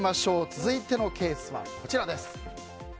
続いてのケースはこちらです。